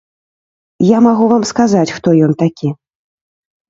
Я магу вам сказаць, хто ён такі.